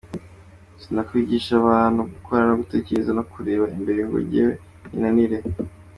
Sinakwigisha abantu gukora no gutekereza no kureba imbere ngo njyewe binanire.